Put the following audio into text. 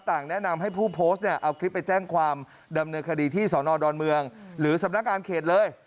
แนะนำให้ผู้โพสต์เนี่ยเอาคลิปไปแจ้งความดำเนินคดีที่สอนอดอนเมืองหรือสำนักงานเขตเลย